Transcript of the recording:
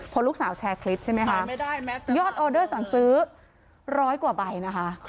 พอลูกสาวแชร์คลิปใช่ไหมคะยอดออเดอร์สั่งซื้อร้อยกว่าใบนะคะ